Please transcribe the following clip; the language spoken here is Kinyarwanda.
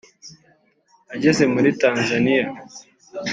Ageze muri Tanzania